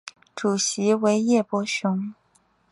主席为叶柏雄。